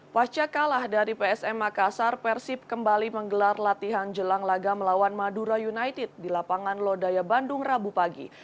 pasca kalah dari psm makassar persib kembali menggelar latihan jelang laga melawan madura united di lapangan lodaya bandung rabu pagi